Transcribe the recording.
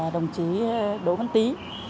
đồng chí đỗ văn tý